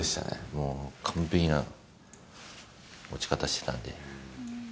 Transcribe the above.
もう完璧な落ち方してたんで。